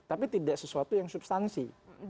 tapi tidak sesuatu yang substansi